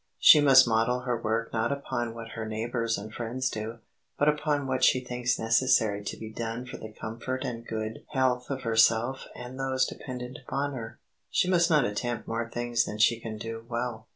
She must model her work not upon what her neighbors and friends do, but upon what she thinks necessary to be done for the comfort and good health of herself and those dependent upon her. She must not attempt more things than she can do well.